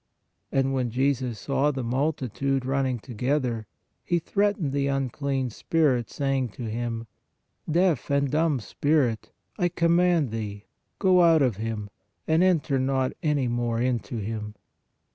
And when Jesus saw the multitude running together, He threatened the unclean spirit, saying to him: Deaf and dumb spirit, I command thee, go out of him; and enter not any more into him.